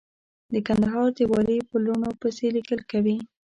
د کندهار د والي په لوڼو پسې ليکل کوي.